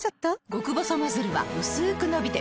極細ノズルはうすく伸びて